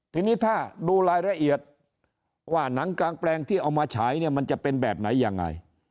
ทีนี้ถ้าดูรายละเอียดว่าหนังกลางแปลงที่เอามาฉายเนี่ยมันจะเป็นแบบไหนยังไง